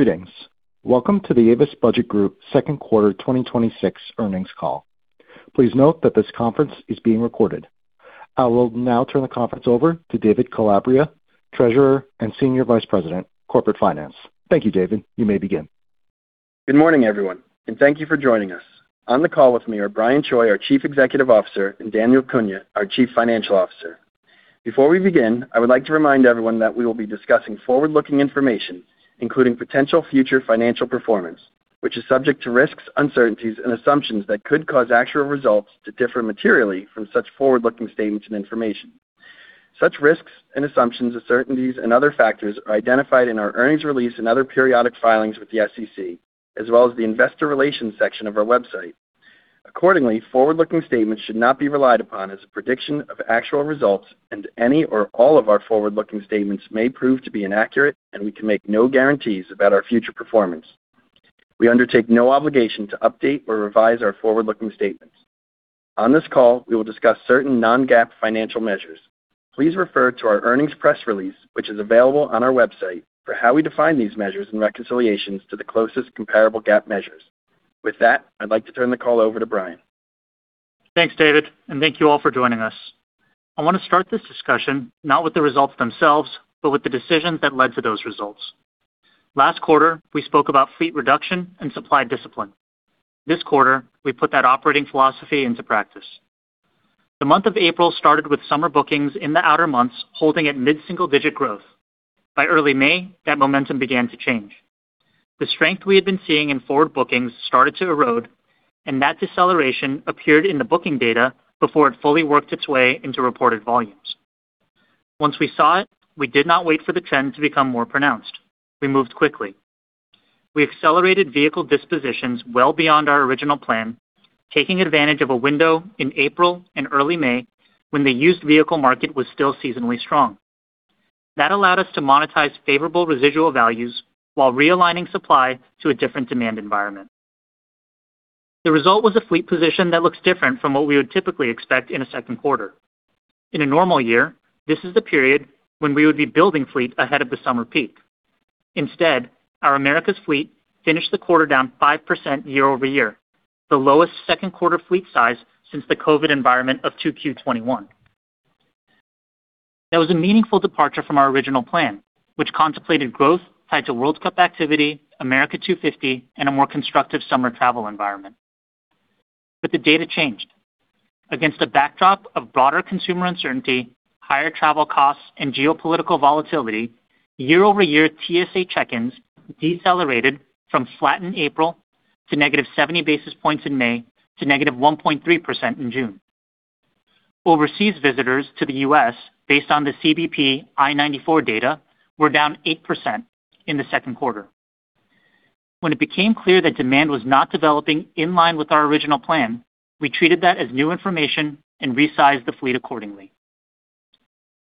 Greetings. Welcome to the Avis Budget Group second quarter 2026 earnings call. Please note that this conference is being recorded. I will now turn the conference over to David Calabria, Treasurer and Senior Vice President, Corporate Finance. Thank you, David. You may begin. Good morning, everyone. Thank you for joining us. On the call with me are Brian Choi, our Chief Executive Officer, and Daniel Cunha, our Chief Financial Officer. Before we begin, I would like to remind everyone that we will be discussing forward-looking information, including potential future financial performance, which is subject to risks, uncertainties, and assumptions that could cause actual results to differ materially from such forward-looking statements and information. Such risks and assumptions, uncertainties, and other factors are identified in our earnings release and other periodic filings with the SEC, as well as the investor relations section of our website. Accordingly, forward-looking statements should not be relied upon as a prediction of actual results; any or all of our forward-looking statements may prove to be inaccurate, and we can make no guarantees about our future performance. We undertake no obligation to update or revise our forward-looking statements. On this call, we will discuss certain non-GAAP financial measures. Please refer to our earnings press release, which is available on our website, for how we define these measures and reconciliations to the closest comparable GAAP measures. With that, I'd like to turn the call over to Brian. Thanks, David. Thank you all for joining us. I want to start this discussion not with the results themselves, but with the decisions that led to those results. Last quarter, we spoke about fleet reduction and supply discipline. This quarter, we put that operating philosophy into practice. The month of April started with summer bookings in the outer months holding at mid-single-digit growth. By early May, that momentum began to change. The strength we had been seeing in forward bookings started to erode; that deceleration appeared in the booking data before it fully worked its way into reported volumes. Once we saw it, we did not wait for the trend to become more pronounced. We moved quickly. We accelerated vehicle dispositions well beyond our original plan, taking advantage of a window in April and early May when the used vehicle market was still seasonally strong. That allowed us to monetize favorable residual values while realigning supply to a different demand environment. The result was a fleet position that looks different from what we would typically expect in a second quarter. In a normal year, this is the period when we would be building fleet ahead of the summer peak. Instead, our Americas fleet finished the quarter down 5% year-over-year, the lowest second quarter fleet size since the COVID environment of 2Q21. That was a meaningful departure from our original plan, which contemplated growth tied to World Cup activity, America 250, and a more constructive summer travel environment. The data changed. Against a backdrop of broader consumer uncertainty, higher travel costs, and geopolitical volatility, year-over-year TSA check-ins decelerated from flat in April to -70 basis points in May to -1.3% in June. Overseas visitors to the U.S., based on the CBP I-94 data, were down 8% in the second quarter. When it became clear that demand was not developing in line with our original plan, we treated that as new information and resized the fleet accordingly.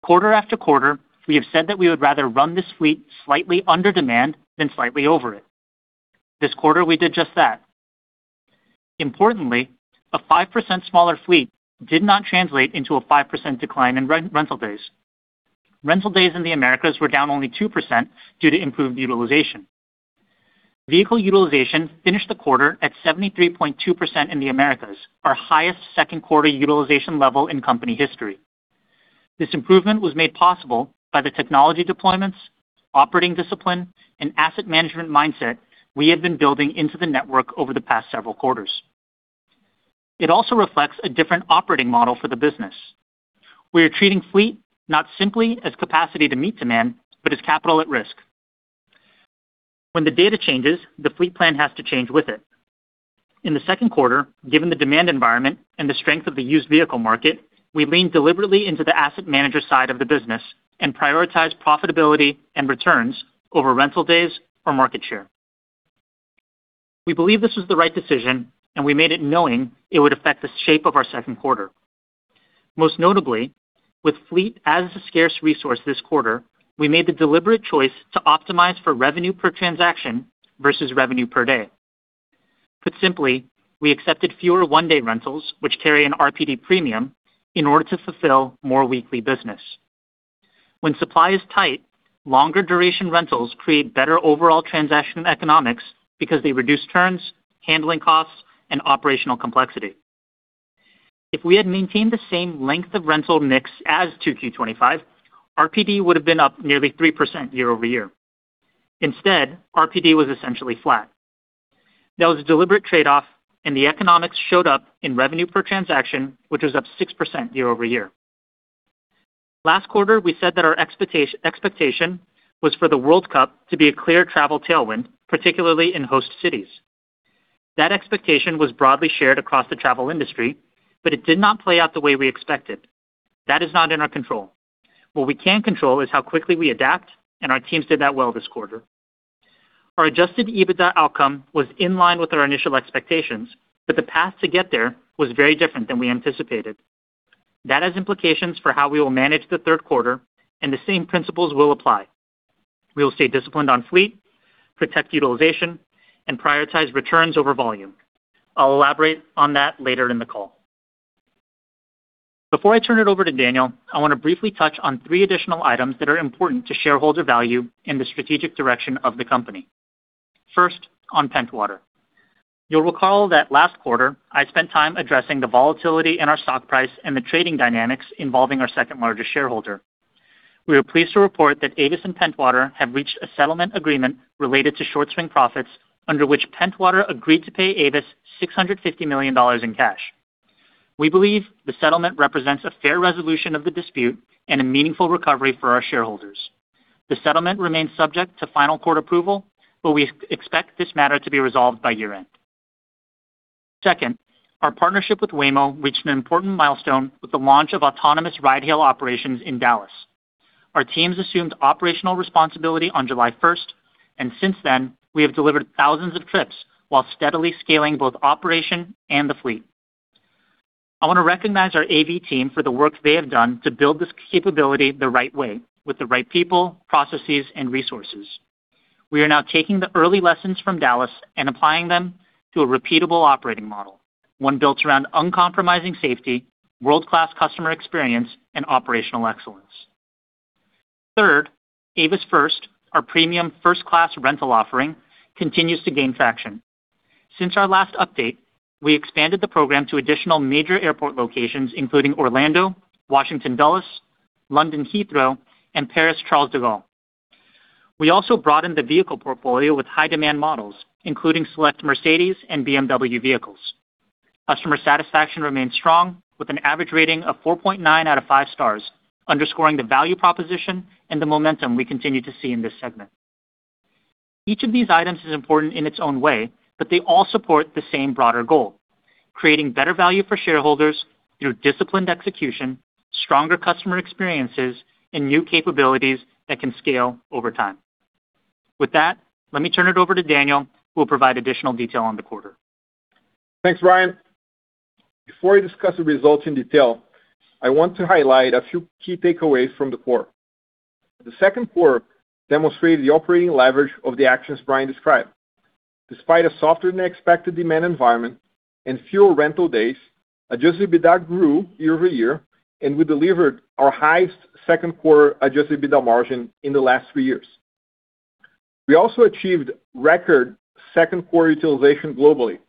Quarter after quarter, we have said that we would rather run this fleet slightly under demand than slightly over it. This quarter, we did just that. Importantly, a 5% smaller fleet did not translate into a 5% decline in rental days. Rental days in the Americas were down only 2% due to improved utilization. Vehicle utilization finished the quarter at 73.2% in the Americas, our highest second quarter utilization level in company history. This improvement was made possible by the technology deployments, operating discipline, and asset management mindset we have been building into the network over the past several quarters. It also reflects a different operating model for the business. We are treating fleet not simply as capacity to meet demand, but as capital at risk. When the data changes, the fleet plan has to change with it. In the second quarter, given the demand environment and the strength of the used vehicle market, we leaned deliberately into the asset manager side of the business and prioritized profitability and returns over rental days or market share. We believe this is the right decision, and we made it knowing it would affect the shape of our second quarter. Most notably, with fleet as a scarce resource this quarter, we made the deliberate choice to optimize for revenue per transaction versus revenue per day. Put simply, we accepted fewer one-day rentals, which carry an RPD premium in order to fulfill more weekly business. When supply is tight, longer duration rentals create better overall transaction economics because they reduce turns, handling costs, and operational complexity. If we had maintained the same length of rental mix as 2Q25, RPD would have been up nearly 3% year-over-year. Instead, RPD was essentially flat. That was a deliberate trade-off, and the economics showed up in revenue per transaction, which was up 6% year-over-year. Last quarter, we said that our expectation was for the World Cup to be a clear travel tailwind, particularly in host cities. That expectation was broadly shared across the travel industry, but it did not play out the way we expected. That is not in our control. What we can control is how quickly we adapt, and our teams did that well this quarter. Our adjusted EBITDA outcome was in line with our initial expectations, but the path to get there was very different than we anticipated. That has implications for how we will manage the third quarter, and the same principles will apply. We will stay disciplined on fleet, protect utilization, and prioritize returns over volume. I will elaborate on that later in the call. Before I turn it over to Daniel, I want to briefly touch on three additional items that are important to shareholder value in the strategic direction of the company. First, on Pentwater. You will recall that last quarter I spent time addressing the volatility in our stock price and the trading dynamics involving our second-largest shareholder. We are pleased to report that Avis and Pentwater have reached a settlement agreement related to short-swing profits, under which Pentwater agreed to pay Avis $650 million in cash. We believe the settlement represents a fair resolution of the dispute and a meaningful recovery for our shareholders. The settlement remains subject to final court approval, but we expect this matter to be resolved by year-end. Second, our partnership with Waymo reached an important milestone with the launch of autonomous ride-hail operations in Dallas. Our teams assumed operational responsibility on July 1st, and since then, we have delivered thousands of trips while steadily scaling both operation and the fleet. I want to recognize our AV team for the work they have done to build this capability the right way, with the right people, processes, and resources. We are now taking the early lessons from Dallas and applying them to a repeatable operating model. One built around uncompromising safety, world-class customer experience, and operational excellence. Third, Avis First, our premium first-class rental offering, continues to gain traction. Since our last update, we expanded the program to additional major airport locations, including Orlando, Washington Dulles, London Heathrow, and Paris Charles de Gaulle. We also broadened the vehicle portfolio with high-demand models, including select Mercedes and BMW vehicles. Customer satisfaction remains strong, with an average rating of 4.9 out of five stars, underscoring the value proposition and the momentum we continue to see in this segment. Each of these items is important in its own way, but they all support the same broader goal: creating better value for shareholders through disciplined execution, stronger customer experiences, and new capabilities that can scale over time. With that, let me turn it over to Daniel, who will provide additional detail on the quarter. Thanks, Brian. Before I discuss the results in detail, I want to highlight a few key takeaways from the quarter. The second quarter demonstrated the operating leverage of the actions Brian described. Despite a softer-than-expected demand environment and fewer rental days, adjusted EBITDA grew year-over-year, and we delivered our highest second-quarter adjusted EBITDA margin in the last three years. We also achieved record second-quarter utilization globally,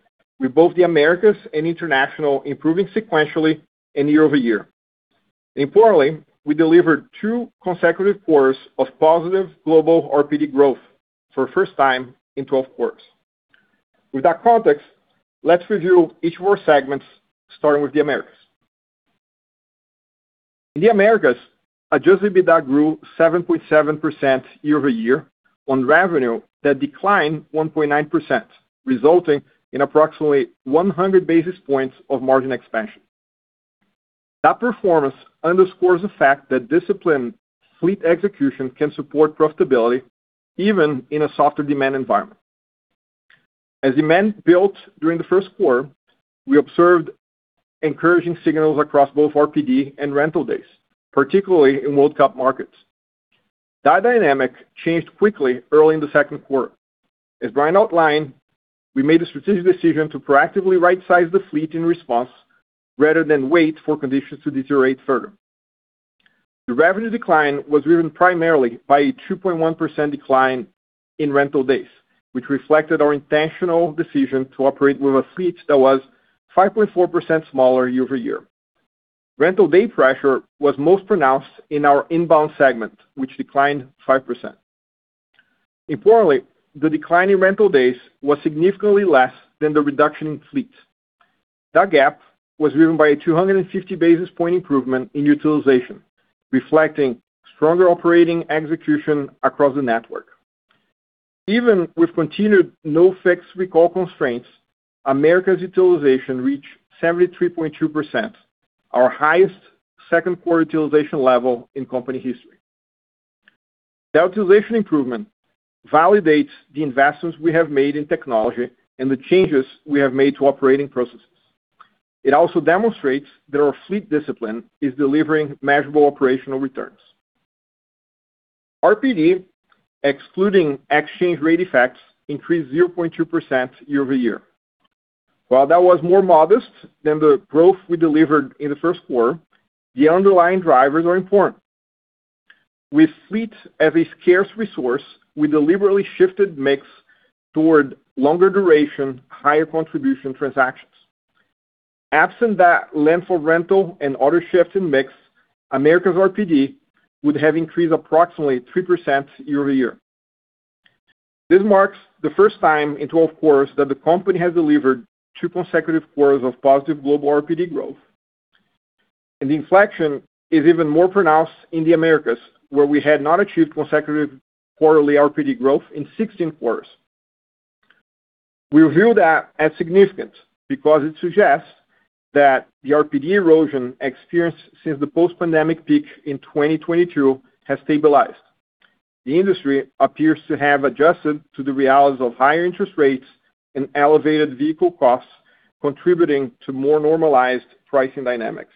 with both the Americas and International improving sequentially and year-over-year. Importantly, we delivered two consecutive quarters of positive global RPD growth for the first time in 12 quarters. With that context, let us review each of our segments, starting with the Americas. In the Americas, adjusted EBITDA grew 7.7% year-over-year on revenue that declined 1.9%, resulting in approximately 100 basis points of margin expansion. That performance underscores the fact that disciplined fleet execution can support profitability even in a softer demand environment. As demand built during the first quarter, we observed encouraging signals across both RPD and rental days, particularly in World Cup markets. That dynamic changed quickly early in the second quarter. As Brian outlined, we made a strategic decision to proactively rightsize the fleet in response, rather than wait for conditions to deteriorate further. The revenue decline was driven primarily by a 2.1% decline in rental days, which reflected our intentional decision to operate with a fleet that was 5.4% smaller year over year. Rental day pressure was most pronounced in our inbound segment, which declined 5%. Importantly, the decline in rental days was significantly less than the reduction in fleet. That gap was driven by a 250-basis point improvement in utilization, reflecting stronger operating execution across the network. Even with continued no-fix recall constraints, Americas utilization reached 73.2%, our highest second-quarter utilization level in company history. The utilization improvement validates the investments we have made in technology and the changes we have made to operating processes. It also demonstrates that our fleet discipline is delivering measurable operational returns. RPD, excluding exchange rate effects, increased 0.2% year over year. While that was more modest than the growth we delivered in the first quarter, the underlying drivers are important. With fleet as a scarce resource, we deliberately shifted mix toward longer duration, higher contribution transactions. Absent that length of rental and other shifts in mix, Americas RPD would have increased approximately 3% year over year. This marks the first time in 12 quarters that the company has delivered two consecutive quarters of positive global RPD growth. The inflection is even more pronounced in the Americas, where we had not achieved consecutive quarterly RPD growth in 16 quarters. We view that as significant because it suggests that the RPD erosion experienced since the post-pandemic peak in 2022 has stabilized. The industry appears to have adjusted to the realities of higher interest rates and elevated vehicle costs, contributing to more normalized pricing dynamics.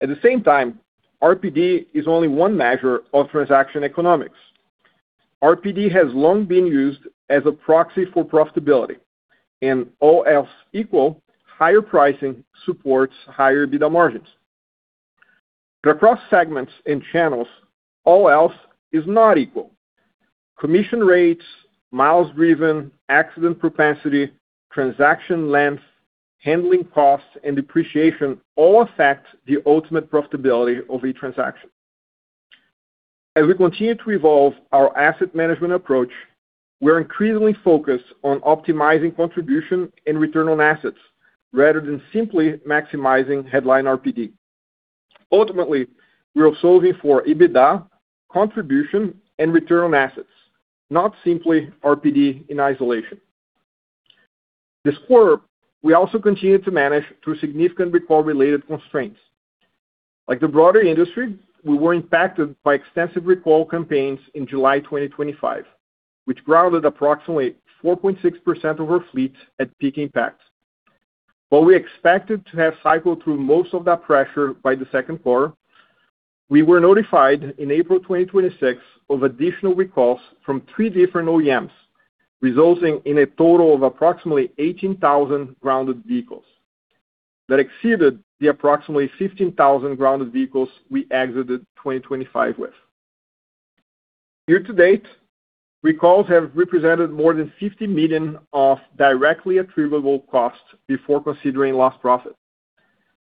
At the same time, RPD is only one measure of transaction economics. RPD has long been used as a proxy for profitability, and all else equal, higher pricing supports higher EBITDA margins. Across segments and channels, all else is not equal. Commission rates, miles driven, accident propensity, transaction length, handling costs, and depreciation all affect the ultimate profitability of each transaction. As we continue to evolve our asset management approach, we're increasingly focused on optimizing contribution and return on assets rather than simply maximizing headline RPD. Ultimately, we are solving for EBITDA contribution and return on assets, not simply RPD in isolation. This quarter, we also continued to manage through significant recall-related constraints. Like the broader industry, we were impacted by extensive recall campaigns in July 2025, which grounded approximately 4.6% of our fleet at peak impact. While we expected to have cycled through most of that pressure by the second quarter, we were notified in April 2026 of additional recalls from three different OEMs, resulting in a total of approximately 18,000 grounded vehicles. That exceeded the approximately 15,000 grounded vehicles we exited 2025 with. Year to date, recalls have represented more than $50 million of directly attributable costs before considering lost profit.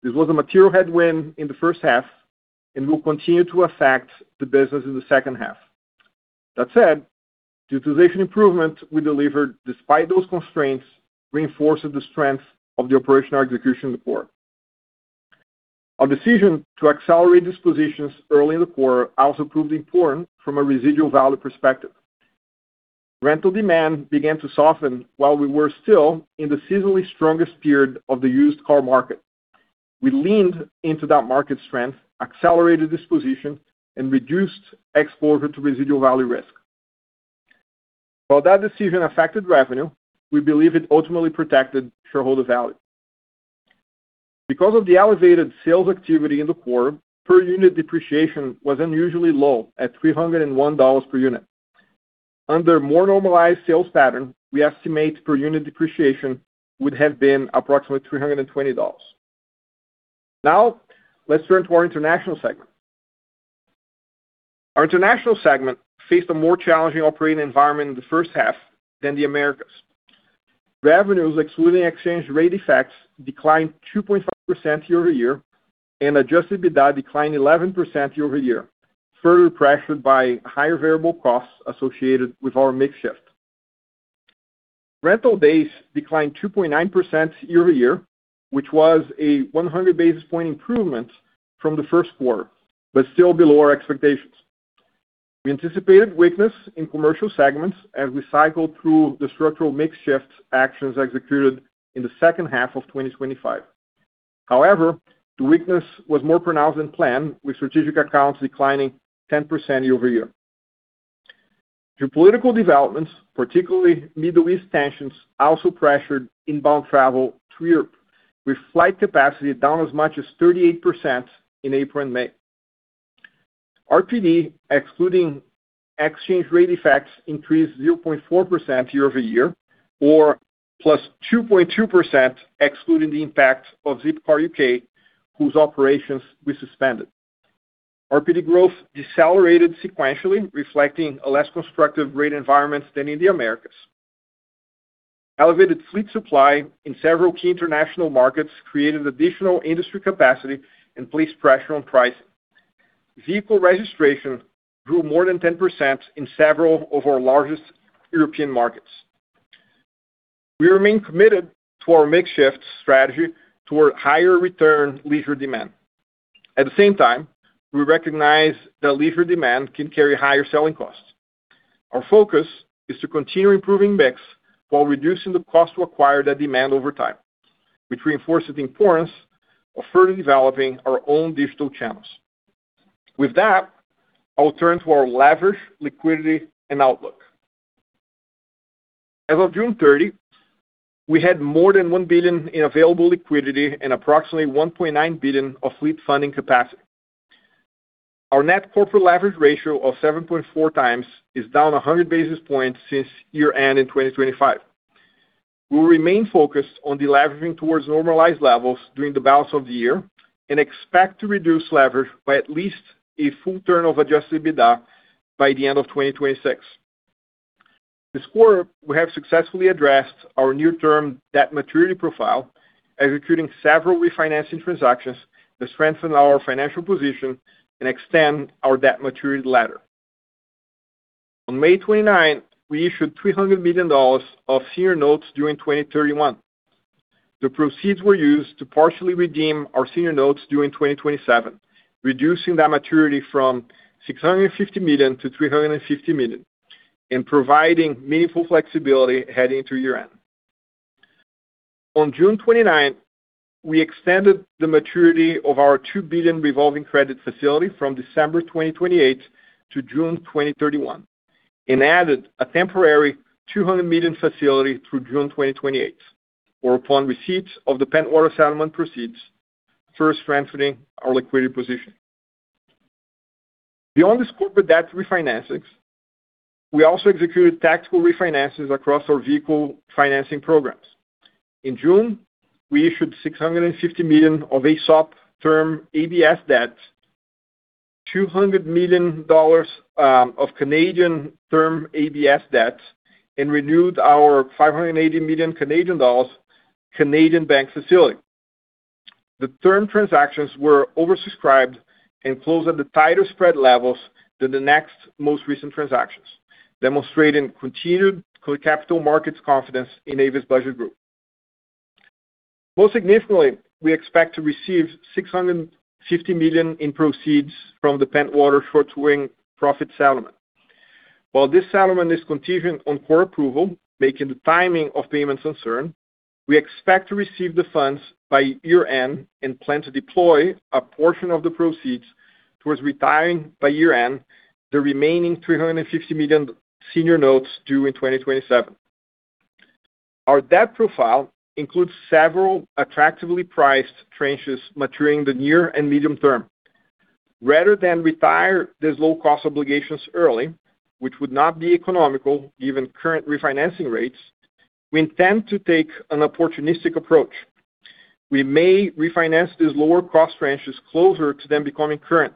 This was a material headwind in the first half and will continue to affect the business in the second half. That said, utilization improvement we delivered despite those constraints, reinforces the strength of the operational execution in the quarter. Our decision to accelerate dispositions early in the quarter also proved important from a residual value perspective. Rental demand began to soften while we were still in the seasonally strongest period of the used car market. We leaned into that market strength, accelerated disposition, and reduced exposure to residual value risk. While that decision affected revenue, we believe it ultimately protected shareholder value. Because of the elevated sales activity in the quarter, per unit depreciation was unusually low at $301 per unit. Under more normalized sales pattern, we estimate per unit depreciation would have been approximately $320. Let's turn to our international segment. Our international segment faced a more challenging operating environment in the first half than the Americas. Revenues, excluding exchange rate effects, declined 2.5% year-over-year, and adjusted EBITDA declined 11% year-over-year, further pressured by higher variable costs associated with our mix shift. Rental days declined 2.9% year-over-year, which was a 100 basis point improvement from the first quarter, but still below our expectations. We anticipated weakness in commercial segments as we cycled through the structural mix shift actions executed in the second half of 2025. However, the weakness was more pronounced than planned, with strategic accounts declining 10% year-over-year. Geopolitical developments, particularly Middle East tensions, also pressured inbound travel to Europe, with flight capacity down as much as 38% in April and May. RPD, excluding exchange rate effects, increased 0.4% year-over-year or +2.2% excluding the impact of Zipcar UK, whose operations we suspended. RPD growth decelerated sequentially, reflecting a less constructive rate environment than in the Americas. Elevated fleet supply in several key international markets created additional industry capacity and placed pressure on pricing. Vehicle registration grew more than 10% in several of our largest European markets. We remain committed to our mix shift strategy toward higher return leisure demand. At the same time, we recognize that leisure demand can carry higher selling costs. Our focus is to continue improving mix while reducing the cost to acquire that demand over time, which reinforces the importance of further developing our own digital channels. With that, I will turn to our leverage, liquidity, and outlook. As of June 30th, we had more than $1 billion in available liquidity and approximately $1.9 billion of fleet funding capacity. Our net corporate leverage ratio of 7.4 times is down 100 basis points since year-end in 2025. We'll remain focused on deleveraging towards normalized levels during the balance of the year and expect to reduce leverage by at least a full turn of adjusted EBITDA by the end of 2026. This quarter, we have successfully addressed our near-term debt maturity profile, executing several refinancing transactions to strengthen our financial position and extend our debt maturity ladder. On May 29th, we issued $300 million of senior notes during 2031. The proceeds were used to partially redeem our senior notes during 2027, reducing that maturity from $650 million to $350 million and providing meaningful flexibility heading into year-end. On June 29th, we extended the maturity of our $2 billion revolving credit facility from December 2028 to June 2031 and added a temporary $200 million facility through June 2028, or upon receipt of the Pentwater settlement proceeds, strengthening our liquidity position. Beyond this corporate debt refinancings, we also executed tactical refinances across our vehicle financing programs. In June, we issued $650 million of AESOP term ABS debt, $200 million of Canadian term ABS debt, and renewed our 580 million Canadian dollars Canadian bank facility. The term transactions were oversubscribed and closed at tighter spread levels than the next most recent transactions, demonstrating continued capital markets confidence in Avis Budget Group. Most significantly, we expect to receive $650 million in proceeds from the Pentwater short-swing profit settlement. While this settlement is contingent on court approval, making the timing of payments uncertain, we expect to receive the funds by year-end and plan to deploy a portion of the proceeds towards retiring by year-end the remaining $350 million senior notes due in 2027. Our debt profile includes several attractively priced tranches maturing in the near and medium term. Rather than retire these low-cost obligations early, which would not be economical given current refinancing rates, we intend to take an opportunistic approach. We may refinance these lower-cost tranches closer to them becoming current,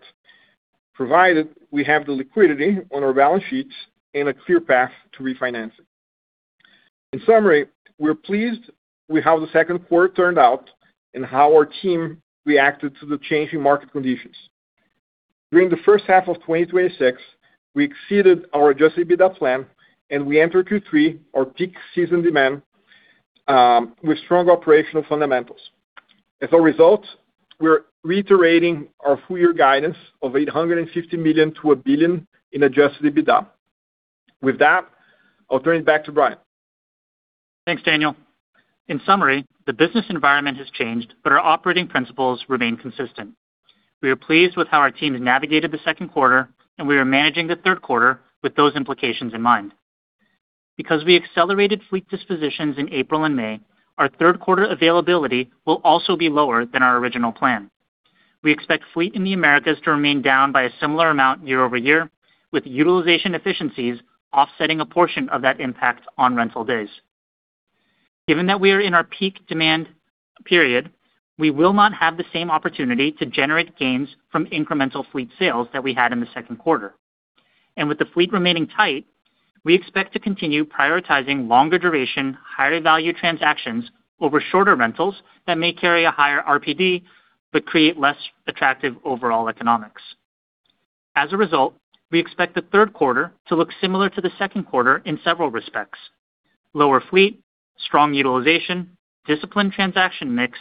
provided we have the liquidity on our balance sheets and a clear path to refinancing. In summary, we're pleased with how the second quarter turned out and how our team reacted to the changing market conditions. During the first half of 2026, we exceeded our adjusted EBITDA plan, and we entered Q3, our peak season demand, with strong operational fundamentals. As a result, we're reiterating our full-year guidance of $850 million to $1 billion in adjusted EBITDA. With that, I'll turn it back to Brian. Thanks, Daniel. The business environment has changed, but our operating principles remain consistent. We are pleased with how our team has navigated the second quarter, and we are managing the third quarter with those implications in mind. Because we accelerated fleet dispositions in April and May, our third quarter availability will also be lower than our original plan. We expect fleet in the Americas to remain down by a similar amount year-over-year, with utilization efficiencies offsetting a portion of that impact on rental days. Given that we are in our peak demand period, we will not have the same opportunity to generate gains from incremental fleet sales that we had in the second quarter. With the fleet remaining tight, we expect to continue prioritizing longer duration, higher value transactions over shorter rentals that may carry a higher RPD but create less attractive overall economics. As a result, we expect the third quarter to look similar to the second quarter in several respects: lower fleet, strong utilization, disciplined transaction mix,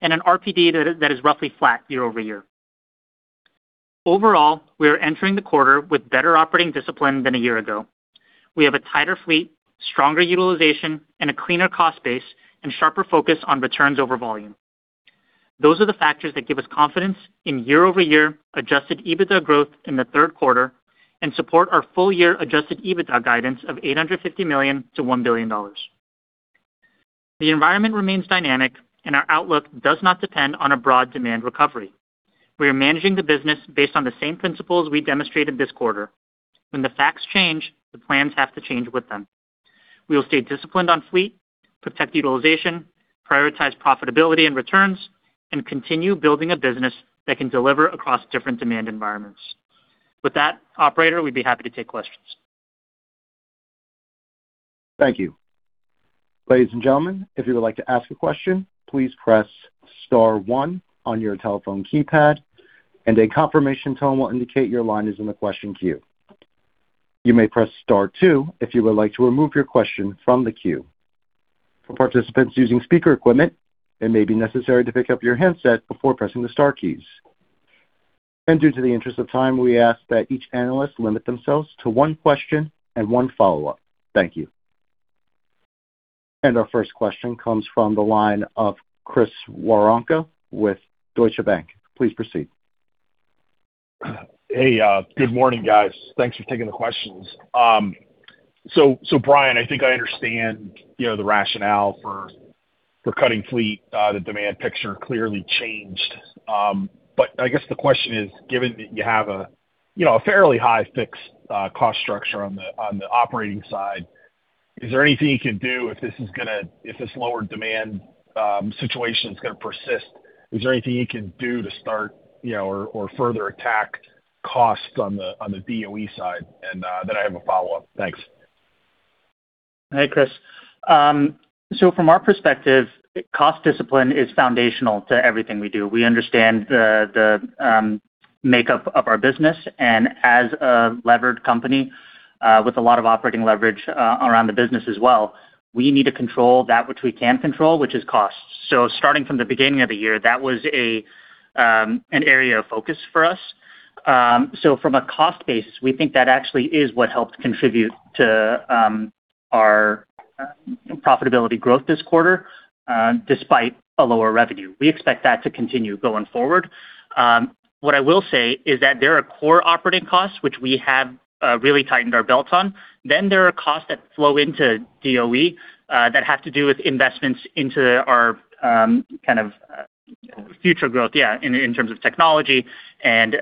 and an RPD that is roughly flat year-over-year. Overall, we are entering the quarter with better operating discipline than a year ago. We have a tighter fleet, stronger utilization, and a cleaner cost base and sharper focus on returns over volume. Those are the factors that give us confidence in year-over-year adjusted EBITDA growth in the third quarter and support our full-year adjusted EBITDA guidance of $850 million-$1 billion. The environment remains dynamic, and our outlook does not depend on a broad demand recovery. We are managing the business based on the same principles we demonstrated this quarter. When the facts change, the plans have to change with them. We will stay disciplined on fleet, protect utilization, prioritize profitability and returns, and continue building a business that can deliver across different demand environments. With that, operator, we would be happy to take questions. Thank you. Ladies and gentlemen, if you would like to ask a question, please press star one on your telephone keypad. A confirmation tone will indicate your line is in the question queue. You may press star two if you would like to remove your question from the queue. For participants using speaker equipment, it may be necessary to pick up your handset before pressing the star keys. Due to the interest of time, we ask that each analyst limit themselves to one question and one follow-up. Thank you. Our first question comes from the line of Chris Woronka with Deutsche Bank. Please proceed. Hey, good morning, guys. Thanks for taking the questions. Brian, I think I understand the rationale for cutting fleet. The demand picture clearly changed. I guess the question is, given that you have a fairly high fixed cost structure on the operating side, is there anything you can do if this lower demand situation is going to persist? Is there anything you can do to start or further attack costs on the DOE side? I have a follow-up. Thanks. Hey, Chris. From our perspective, cost discipline is foundational to everything we do. We understand the makeup of our business, and as a levered company with a lot of operating leverage around the business as well, we need to control that which we can control, which is cost. Starting from the beginning of the year, that was an area of focus for us. From a cost basis, we think that actually is what helped contribute to our profitability growth this quarter, despite lower revenue. We expect that to continue going forward. What I will say is that there are core operating costs which we have really tightened our belts on. There are costs that flow into DOE that have to do with investments into our Future growth, yeah, in terms of technology and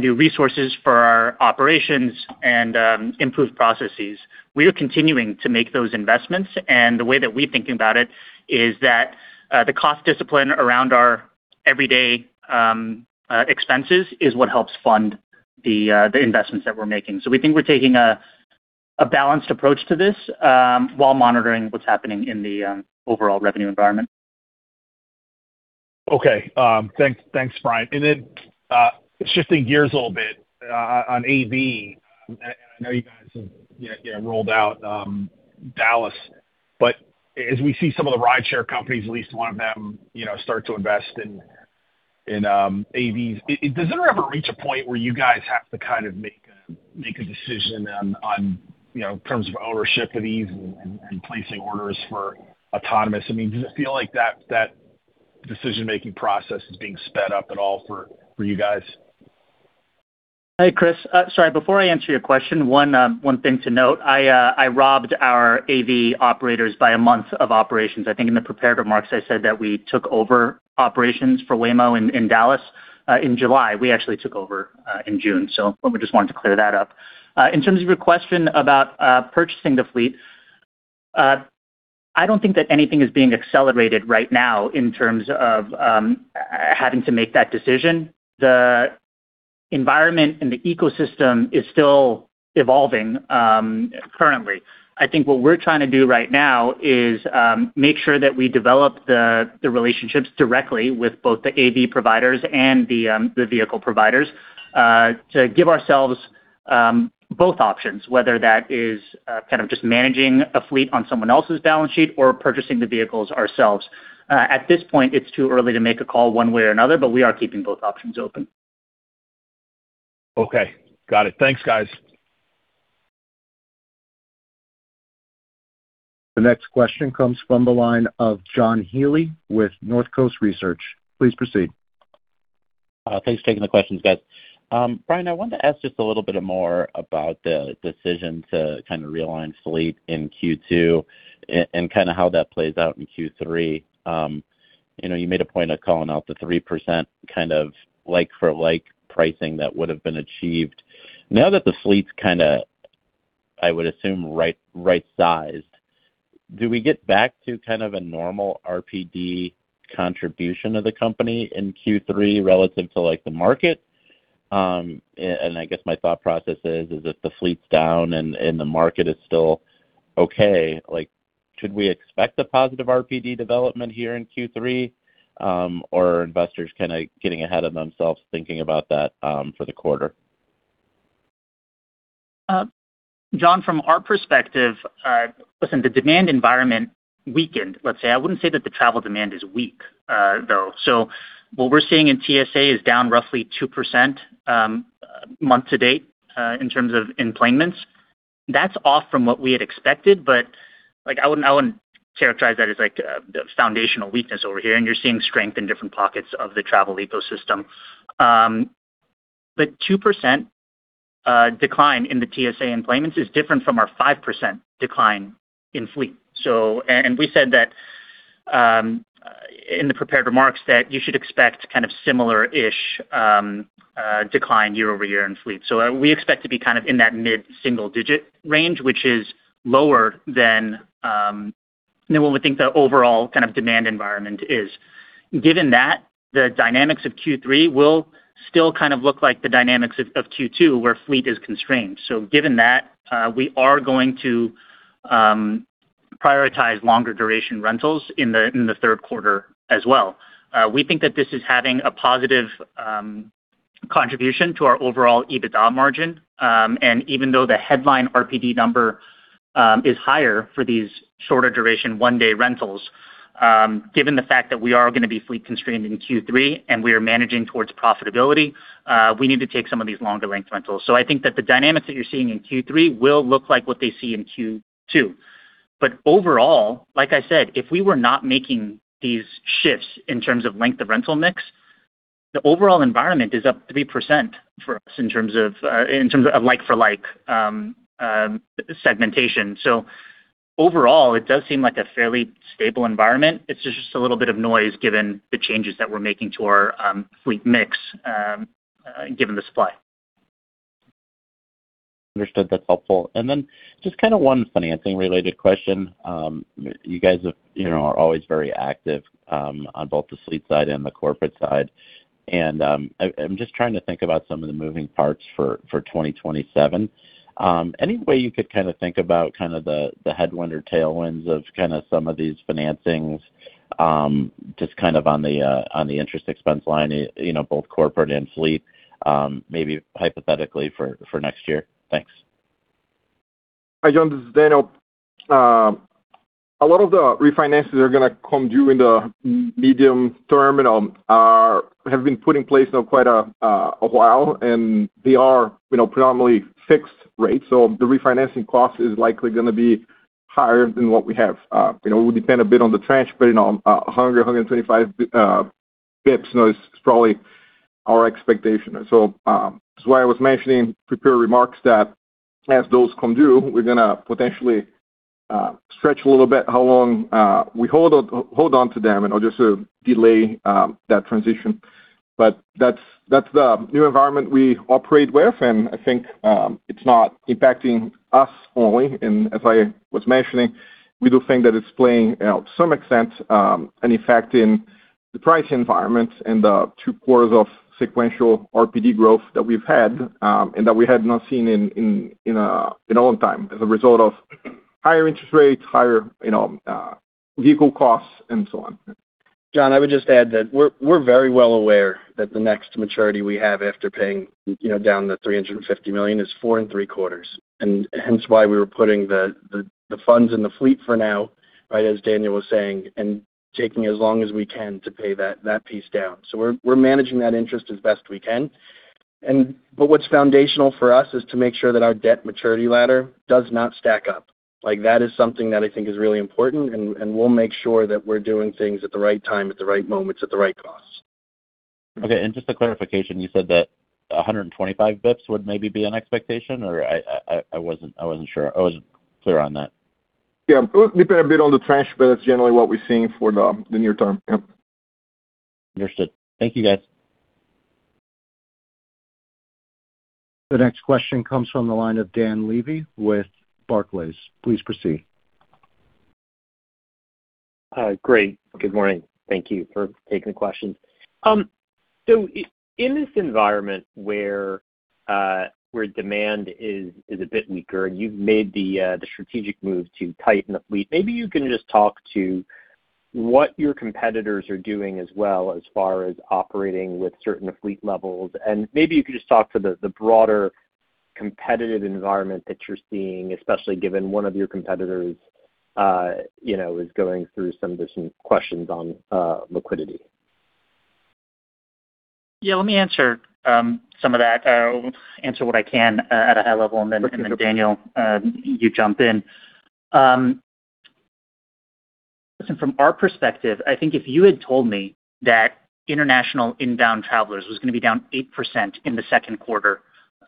new resources for our operations and improved processes. We are continuing to make those investments. The way that we're thinking about it is that the cost discipline around our everyday expenses is what helps fund the investments that we're making. We think we're taking a balanced approach to this while monitoring what's happening in the overall revenue environment. Okay. Thanks, Brian. Shifting gears a little bit on AV. I know you guys have rolled out Dallas, but as we see some of the rideshare companies, at least one of them, start to invest in AVs, does it ever reach a point where you guys have to make a decision in terms of ownership of these and placing orders for autonomous? Does it feel like that decision-making process is being sped up at all for you guys? Hey, Chris. Sorry, before I answer your question, one thing to note: I robbed our AV operators by a month of operations. I think in the prepared remarks, I said that we took over operations for Waymo in Dallas in July. We actually took over in June. We just wanted to clear that up. In terms of your question about purchasing the fleet, I don't think that anything is being accelerated right now in terms of having to make that decision. The environment and the ecosystem is still evolving currently. I think what we're trying to do right now is make sure that we develop the relationships directly with both the AV providers and the vehicle providers to give ourselves both options, whether that is just managing a fleet on someone else's balance sheet or purchasing the vehicles ourselves. At this point, it's too early to make a call one way or another, but we are keeping both options open. Okay. Got it. Thanks, guys. The next question comes from the line of John Healy with Northcoast Research Partners. Please proceed. Thanks for taking the questions, guys. Brian, I wanted to ask just a little bit more about the decision to realign fleet in Q2 and how that plays out in Q3. You made a point of calling out the 3% like-for-like pricing that would've been achieved. Now that the fleet's, I would assume, right-sized, do we get back to a normal RPD contribution of the company in Q3 relative to the market? I guess my thought process is if the fleet's down and the market is still okay, should we expect a positive RPD development here in Q3? Are investors getting ahead of themselves thinking about that for the quarter? John, from our perspective, listen, the demand environment weakened, let's say. I wouldn't say that the travel demand is weak, though. What we're seeing in TSA is down roughly 2% month to date in terms of enplanements. That's off from what we had expected, but I wouldn't characterize that as the foundational weakness over here, and you're seeing strength in different pockets of the travel ecosystem. 2% decline in the TSA enplanements is different from our 5% decline in fleet. We said that in the prepared remarks that you should expect a similar-ish decline year-over-year in fleet. We expect to be in that mid-single-digit range, which is lower than what we think the overall demand environment is. Given that, the dynamics of Q3 will still look like the dynamics of Q2, where fleet is constrained. Given that, we are going to prioritize longer-duration rentals in the third quarter as well. We think that this is having a positive contribution to our overall EBITDA margin. Even though the headline RPD number is higher for these shorter-duration one-day rentals, given the fact that we are going to be fleet constrained in Q3 and we are managing towards profitability, we need to take some of these longer-length rentals. I think that the dynamics that you're seeing in Q3 will look like what they see in Q2. Overall, like I said, if we were not making these shifts in terms of length of rental mix, the overall environment is up 3% for us in terms of like-for-like segmentation. Overall, it does seem like a fairly stable environment. It's just a little bit of noise given the changes that we're making to our fleet mix, given the supply. Understood. That's helpful. Then just one financing-related question. You guys are always very active on both the fleet side and the corporate side. I'm just trying to think about some of the moving parts for 2027. Any way you could think about the headwind or tailwinds of some of these financings, just on the interest expense line, both corporate and fleet, maybe hypothetically for next year? Thanks. Hi, John, this is Daniel. A lot of the refinances are going to come due in the medium term and have been put in place now quite a while. They are predominantly fixed rates, so the refinancing cost is likely going to be higher than what we have. It will depend a bit on the trench, but 100, 125 basis points is probably our expectation. That's why I was mentioning prepared remarks that as those come due, we're going to potentially stretch a little bit how long we hold on to them in order to delay that transition. That's the new environment we operate with, and I think it's not impacting us only. As I was mentioning, we do think that it's playing out to some extent, an effect in the pricing environment and the two quarters of sequential RPD growth that we've had, and that we had not seen in a long time as a result of higher interest rates, higher vehicle costs, and so on. John, I would just add that we're very well aware that the next maturity we have after paying down the $350 million is four and three-quarters, and hence why we were putting the funds in the fleet for now, right, as Daniel was saying, and taking as long as we can to pay that piece down. We're managing that interest as best we can. What's foundational for us is to make sure that our debt maturity ladder does not stack up. That is something that I think is really important, and we'll make sure that we're doing things at the right time, at the right moments, at the right cost. Okay, just a clarification: you said that 125 basis points would maybe be an expectation? I wasn't clear on that. Yeah. It would depend a bit on the trend, but that's generally what we're seeing for the near term. Yep. Understood. Thank you, guys. The next question comes from the line of Dan Levy with Barclays. Please proceed. Great. Good morning. Thank you for taking the questions. In this environment where demand is a bit weaker, and you've made the strategic move to tighten the fleet, maybe you can just talk to what your competitors are doing as well, as far as operating with certain fleet levels. Maybe you could just talk to the broader competitive environment that you're seeing, especially given one of your competitors is going through some questions on liquidity. Yeah, let me answer some of that. I'll answer what I can at a high level, and then Daniel, you jump in. Listen, from our perspective, I think if you had told me that international inbound travelers was going to be down 8% in the second quarter.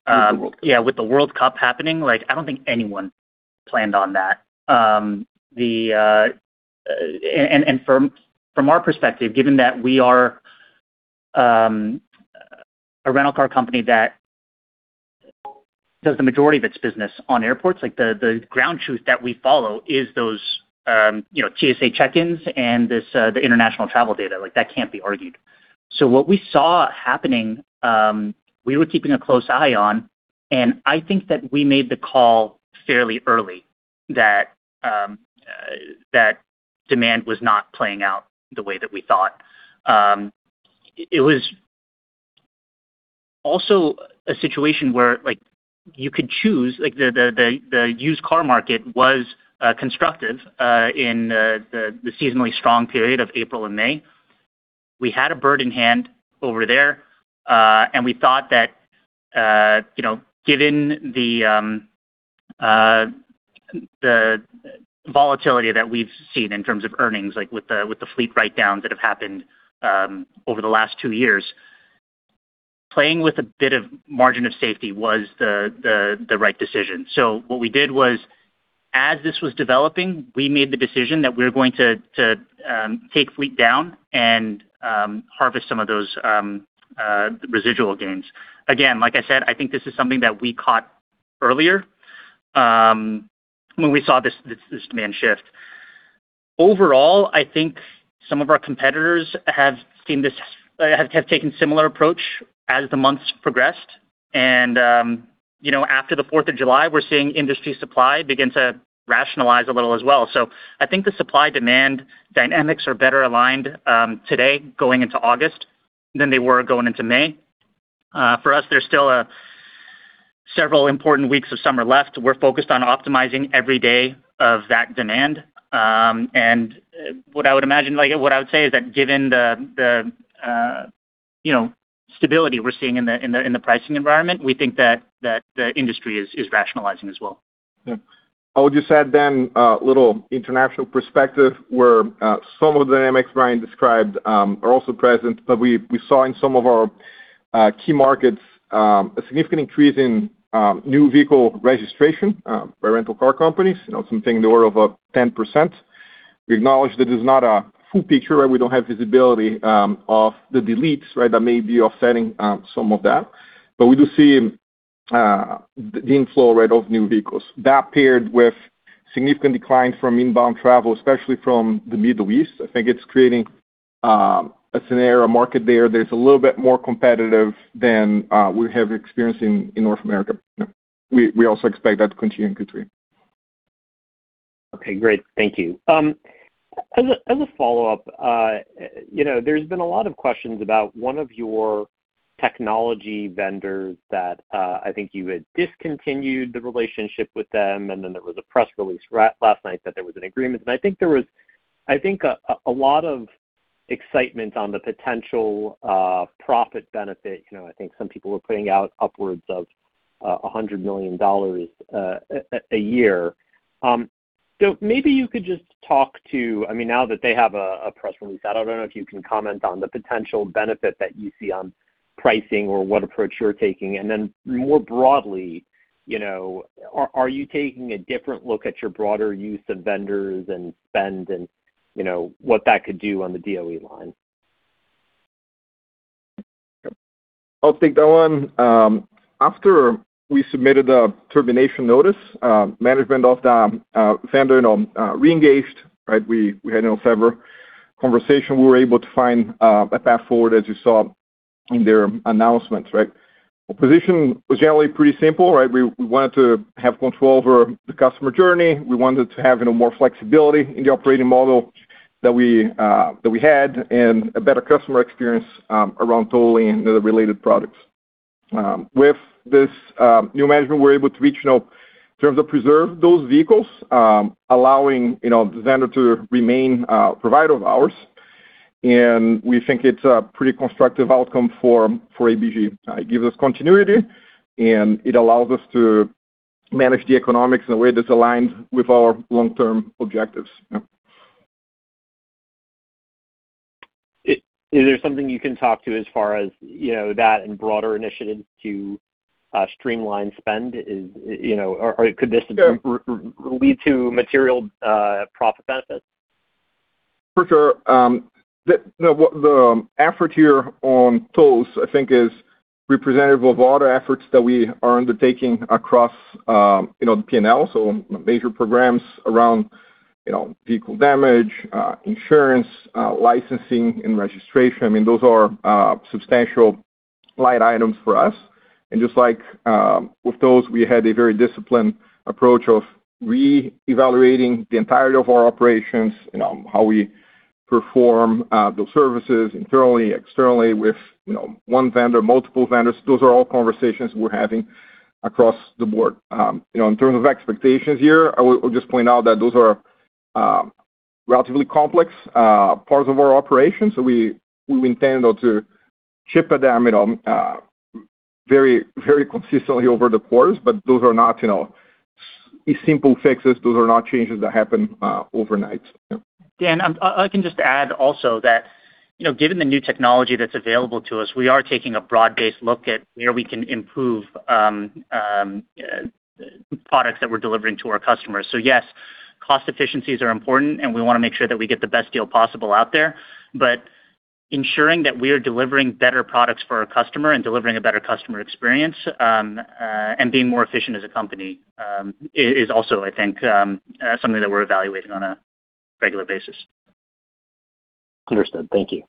Yeah, with the World Cup happening, I don't think anyone planned on that. From our perspective, given that we are a rental car company that does the majority of its business on airports, the ground truth that we follow is those TSA check-ins and the international travel data. That can't be argued. What we saw happening, we were keeping a close eye on, and I think that we made the call fairly early that demand was not playing out the way that we thought. It was also a situation where you could choose. The used car market was constructive in the seasonally strong period of April and May. We had a bird in hand over there. We thought that given the volatility that we've seen in terms of earnings, with the fleet write-downs that have happened over the last two years, playing with a bit of margin of safety was the right decision. What we did was, as this was developing, we made the decision that we're going to take fleet down and harvest some of those residual gains. Again, like I said, I think this is something that we caught earlier when we saw this demand shift. Overall, I think some of our competitors have taken similar approach as the months progressed. After the 4th of July, we're seeing industry supply begin to rationalize a little as well. I think the supply-demand dynamics are better aligned today going into August than they were going into May. For us, there's still several important weeks of summer left. We're focused on optimizing every day of that demand. What I would say is that given the stability we're seeing in the pricing environment, we think that the industry is rationalizing as well. Yeah. I would just add then a little international perspective where some of the dynamics Brian described are also present. We saw in some of our key markets a significant increase in new vehicle registration by rental car companies, something in the order of 10%. We acknowledge that is not a full picture. We don't have visibility of the deletes that may be offsetting some of that. We do see the inflow rate of new vehicles. That paired with significant declines from inbound travel, especially from the Middle East. I think it's creating a scenario market there that's a little bit more competitive than we have experienced in North America. We also expect that to continue in Q3. Okay, great. Thank you. As a follow-up, there's been a lot of questions about one of your technology vendors that I think you had discontinued the relationship with them, then there was a press release last night that there was an agreement. I think a lot of excitement on the potential profit benefit. I think some people were putting out upwards of $100 million a year. Maybe you could just talk to, now that they have a press release out, I don't know if you can comment on the potential benefit that you see on pricing or what approach you're taking. Then more broadly, are you taking a different look at your broader use of vendors and spend and what that could do on the DOE line? I'll take that one. After we submitted a termination notice, management of the vendor reengaged, right? We had several conversations. We were able to find a path forward, as you saw in their announcements, right? Our position was generally pretty simple, right? We wanted to have control over the customer journey. We wanted to have more flexibility in the operating model that we had and a better customer experience around tolling and other related products. With this new management, we're able to reach in terms of preserve those vehicles, allowing the vendor to remain a provider of ours. We think it's a pretty constructive outcome for ABG. It gives us continuity, and it allows us to manage the economics in a way that's aligned with our long-term objectives. Yeah. Is there something you can talk to as far as that and broader initiatives to streamline spend? Or could this lead to material profit benefits? For sure. The effort here on tolls, I think is representative of other efforts that we are undertaking across the P&L, so major programs around vehicle damage, insurance, licensing, and registration. I mean, those are substantial line items for us. Just like with those, we had a very disciplined approach of re-evaluating the entirety of our operations, how we perform those services internally, externally with one vendor, multiple vendors. Those are all conversations we're having across the board. In terms of expectations here, I would just point out that those are relatively complex parts of our operations. We intend to chip at them very consistently over the course. Those are not simple fixes. Those are not changes that happen overnight. Yeah. Dan, I can just add also that given the new technology that's available to us, we are taking a broad-based look at where we can improve products that we're delivering to our customers. Yes, cost efficiencies are important, and we want to make sure that we get the best deal possible out there. Ensuring that we are delivering better products for our customer and delivering a better customer experience, and being more efficient as a company, is also, I think something that we're evaluating on a regular basis. Understood. Thank you.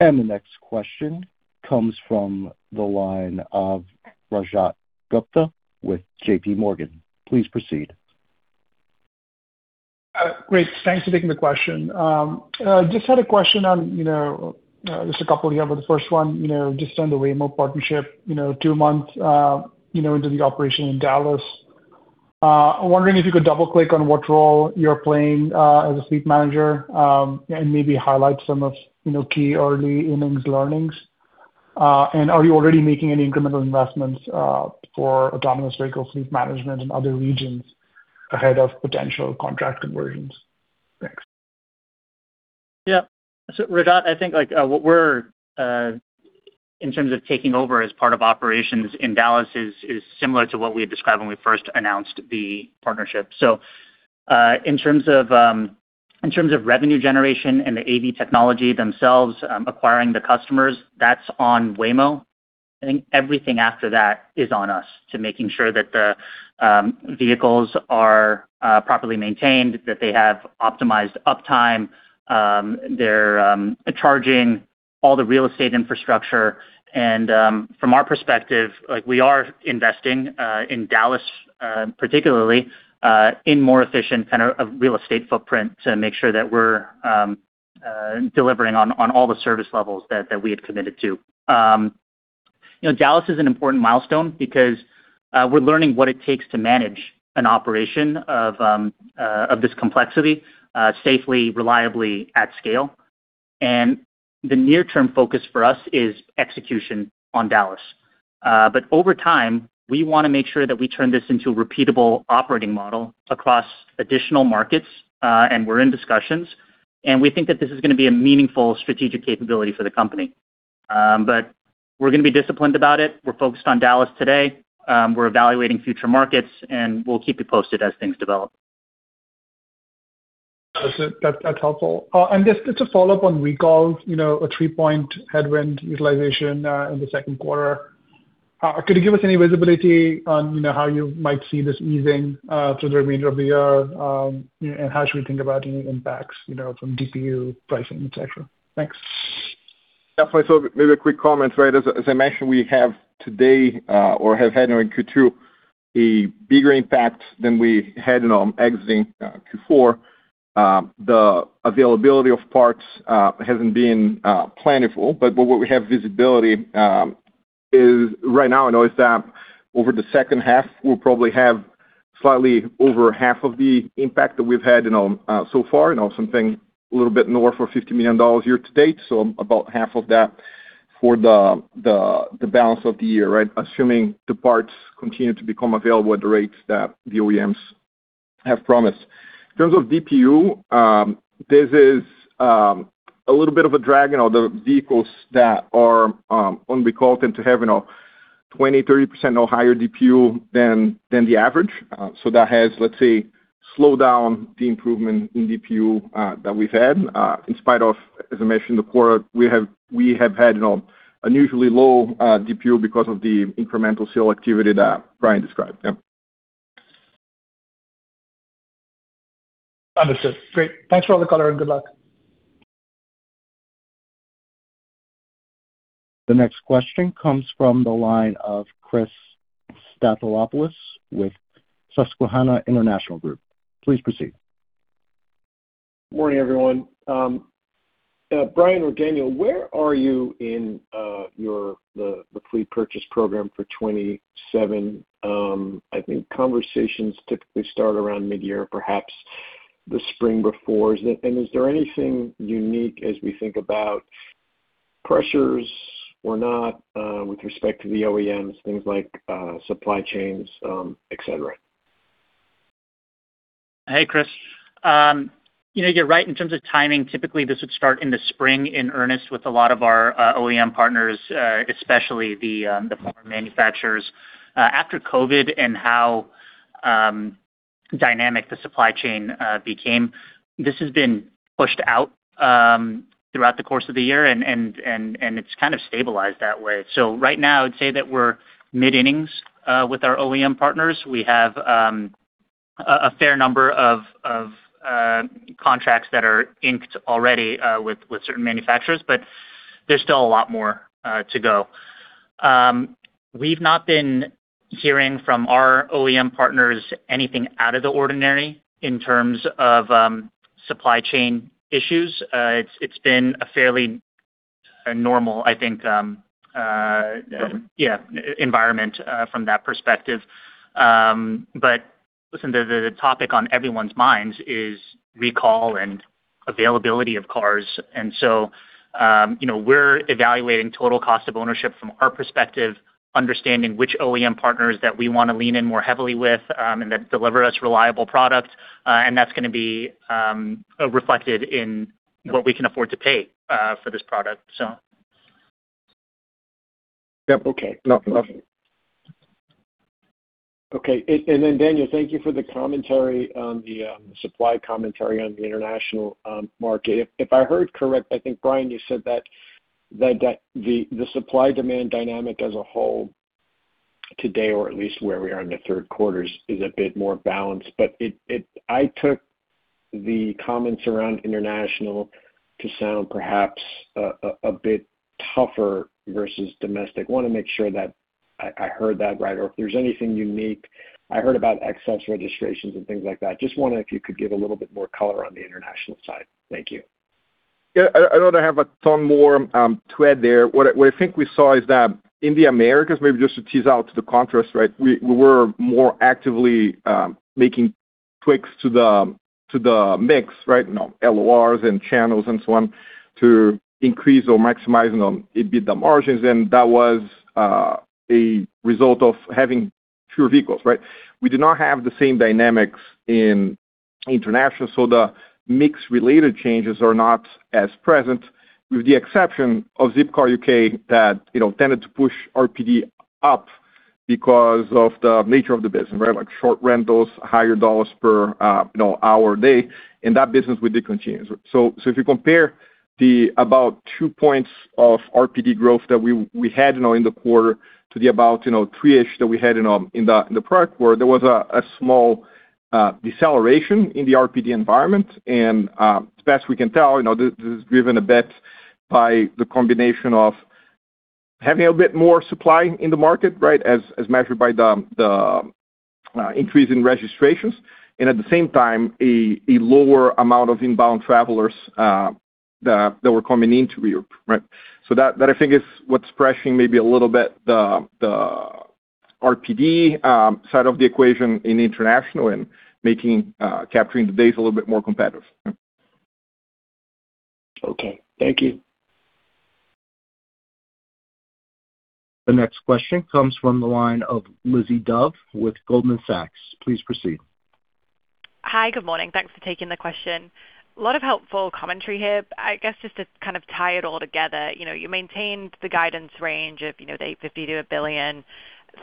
The next question comes from the line of Rajat Gupta with JPMorgan. Please proceed. Great. Thanks for taking the question. Just had a question on, just a couple here, but the first one, just on the Waymo partnership. Two months into the operation in Dallas. Wondering if you could double-click on what role you're playing as a fleet manager, and maybe highlight some of key early innings learnings. Are you already making any incremental investments for autonomous vehicle fleet management in other regions ahead of potential contract conversions? Thanks. Yeah. Rajat, I think what we're, in terms of taking over as part of operations in Dallas, is similar to what we had described when we first announced the partnership. In terms of revenue generation and the AV technology themselves, acquiring the customers, that's on Waymo. I think everything after that is on us to making sure that the vehicles are properly maintained, that they have optimized uptime. They're charging all the real estate infrastructure. From our perspective, we are investing in Dallas, particularly in more efficient real estate footprint to make sure that we're delivering on all the service levels that we had committed to. Dallas is an important milestone because we're learning what it takes to manage an operation of this complexity safely, reliably at scale. The near-term focus for us is execution on Dallas. Over time, we want to make sure that we turn this into a repeatable operating model across additional markets. We're in discussions, and we think that this is going to be a meaningful strategic capability for the company. We're going to be disciplined about it. We're focused on Dallas today. We're evaluating future markets. We'll keep you posted as things develop. That's helpful. Just to follow up on recalls, a 3-point headwind utilization in 2Q. Could you give us any visibility on how you might see this easing through the remainder of the year? How should we think about any impacts from DPU pricing, et cetera? Thanks. Yeah. Maybe a quick comment, right? As I mentioned, we have today or have had in Q2 a bigger impact than we had exiting Q4. The availability of parts hasn't been plentiful, but what we have visibility is right now, I know is that over the second half, we'll probably have slightly over half of the impact that we've had so far, something a little bit north of $50 million year to date. About half of that for the balance of the year, assuming the parts continue to become available at the rates that the OEMs have promised. In terms of DPU, this is a little bit of a drag on the vehicles that are on recall tend to have 20%-30% or higher DPU than the average. That has, let's say, slowed down the improvement in DPU that we've had. In spite of, as I mentioned, the quarter we have had unusually low DPU because of the incremental sale activity that Brian described. Yeah. Understood. Great. Thanks for all the color, and good luck. The next question comes from the line of Chris Stathoulopoulos with Susquehanna International Group. Please proceed. Morning, everyone. Brian or Daniel, where are you in the pre-purchase program for 2027? I think conversations typically start around mid-year, perhaps the spring before. Is there anything unique as we think about pressures or not with respect to the OEMs, things like supply chains, et cetera? Hey, Chris. You're right in terms of timing. Typically, this would start in the spring in earnest with a lot of our OEM partners, especially the former manufacturers. After COVID and how dynamic the supply chain became, this has been pushed out throughout the course of the year, and it's kind of stabilized that way. Right now, I'd say that we're mid-innings with our OEM partners. We have a fair number of contracts that are inked already with certain manufacturers, there's still a lot more to go. We've not been hearing from our OEM partners anything out of the ordinary in terms of supply chain issues. It's been a fairly normal, I think, environment from that perspective. Listen, the topic on everyone's minds is recall and availability of cars, we're evaluating total cost of ownership from our perspective, understanding which OEM partners that we want to lean in more heavily with that deliver us reliable products, that's going to be reflected in what we can afford to pay for this product. Yep. Okay. No. Okay. Daniel, thank you for the commentary on the supply commentary on the international market. If I heard correctly, I think, Brian, you said that the supply-demand dynamic as a whole today, or at least where we are in the third quarters, is a bit more balanced. I took the comments around international to sound perhaps a bit tougher versus domestic. I want to make sure that I heard that right or if there's anything unique. I heard about excess registrations and things like that. I am just wondering if you could give a little bit more color on the international side. Thank you. Yeah, I don't have a ton more to add there. What I think we saw is that in the Americas, maybe just to tease out the contrast, we were more actively making tweaks to the mix LORs and channels so on to increase or maximize on, it'd be the margins, that was a result of having fewer vehicles. We do not have the same dynamics in international, the mix-related changes are not as present, with the exception of Zipcar UK, that tended to push RPD up because of the nature of the business. Like short rentals, higher dollars per hour, day. In that business, we did continue. If you compare the about two points of RPD growth that we had in the quarter to the about three-ish that we had in the prior quarter, there was a small deceleration in the RPD environment. As best we can tell, this is driven a bit by the combination of having a bit more supply in the market as measured by the increase in registrations and at the same time, a lower amount of inbound travelers that were coming into Europe. That, I think is what's pressing maybe a little bit the RPD side of the equation in international and capturing the days a little bit more competitive. Okay. Thank you. The next question comes from the line of Lizzie Dove with Goldman Sachs. Please proceed. Hi. Good morning. Thanks for taking the question. A lot of helpful commentary here. Just to kind of tie it all together, you maintained the guidance range of the $850 million-$1 billion.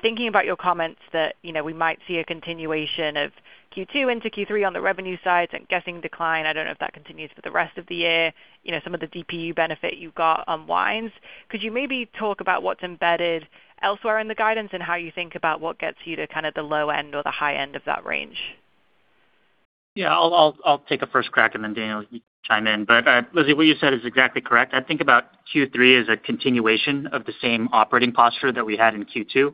Thinking about your comments that we might see a continuation of Q2 into Q3 on the revenue side and guessing decline. I don't know if that continues for the rest of the year. Some of the DPU benefit you've got unwinds. Could you maybe talk about what's embedded elsewhere in the guidance and how you think about what gets you to kind of the low end or the high end of that range? I'll take a first crack. Daniel, you chime in. Lizzie, what you said is exactly correct. I think about Q3 as a continuation of the same operating posture that we had in Q2.